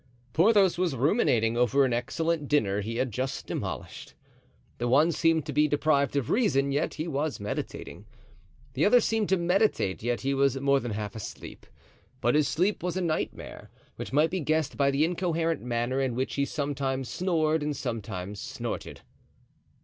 Porthos was ruminating over an excellent dinner he had just demolished. The one seemed to be deprived of reason, yet he was meditating. The other seemed to meditate, yet he was more than half asleep. But his sleep was a nightmare, which might be guessed by the incoherent manner in which he sometimes snored and sometimes snorted.